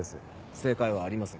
正解はありません。